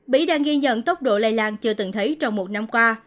mỹ đang ghi nhận tốc độ lây lan chưa từng thấy trong một năm qua